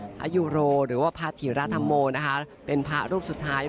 ยูโรหรือว่าพระธิรธรรมโมนะคะเป็นพระรูปสุดท้าย